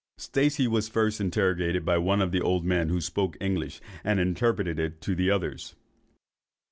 Stacey was first interrogated by one of the old men, who spoke English, and interpreted to the others.